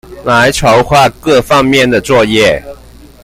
來籌畫各方面的作業